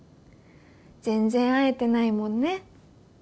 全然会えてないもんね。